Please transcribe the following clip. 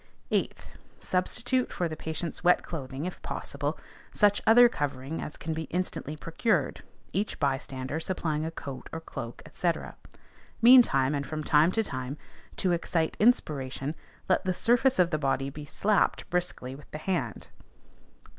8th, Substitute for the patient's wet clothing, if possible, such other covering as can be instantly procured, each bystander supplying a coat or cloak, &c. Meantime, and from time to time, to excite inspiration, let the surface of the body be slapped briskly with the hand.